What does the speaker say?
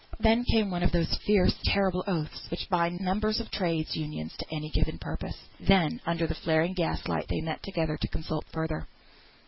Then came one of those fierce terrible oaths which bind members of Trades' Unions to any given purpose. Then, under the flaring gaslight, they met together to consult further.